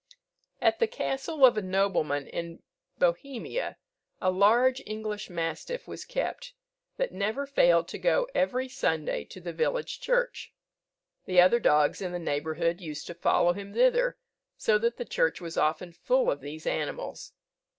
At the castle of a nobleman in Bohemia, a large English mastiff was kept, that never failed to go every Sunday to the village church. The other dogs in the neighbourhood used to follow him thither, so that the church was often full of these animals.